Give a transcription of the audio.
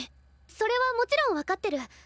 それはもちろん分かってる。